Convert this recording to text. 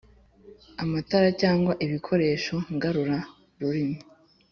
Amatara cyangwa ibikoresho ngarura-rumuri